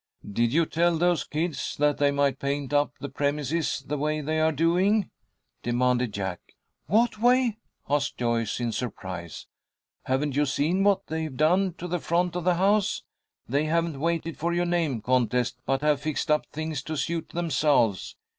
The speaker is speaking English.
"Did you tell those kids that they might paint up the premises the way they are doing?" demanded Jack. "What way?" asked Joyce, in surprise. "Haven't you seen what they've done to the front of the house? They haven't waited for your name contest, but have fixed up things to suit themselves.